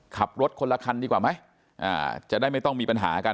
ขับรถคนละคันดีกว่าไหมจะได้ไม่ต้องมีปัญหากัน